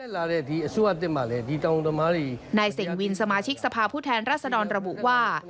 ในเสียงวินสมาชิกสภาพผู้แทนรัศนรบุว่า